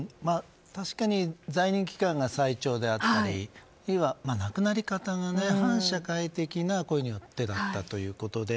確かに在任期間が最長であったり亡くなり方が反社会的な行為によってだったということで。